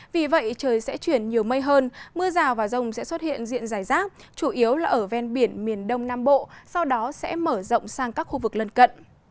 vì vậy trời sẽ chuyển nhiều mây hơn mưa rào và rông sẽ xuất hiện diện dài rác chủ yếu là ở ven biển miền đông nam bộ sau đó sẽ mở rộng sang các khu vực lân cận